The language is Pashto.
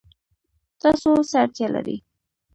تاسو څه اړتیا لرئ؟